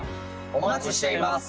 お待ちしています！